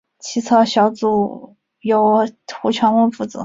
起草小组由胡乔木负责。